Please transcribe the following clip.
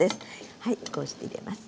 はいこうして入れます。